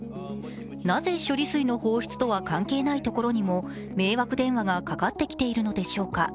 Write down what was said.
なぜ処理水の放出とは関係ないところにも迷惑電話がかかってきているのでしょうか。